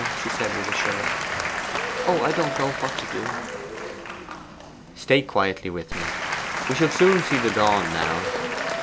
she said with a shudder. 'Oh, I don't know what to do!' 'Stay quietly with me. We shall soon see the dawn now.